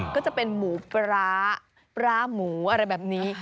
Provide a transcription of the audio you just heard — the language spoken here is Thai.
ก็จะเป็นหมูปลาร้าปลาหมูอะไรแบบนี้